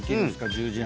１０時半に。